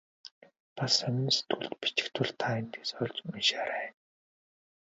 Бас сонин сэтгүүлд бичих тул та тэндээс олж уншаарай.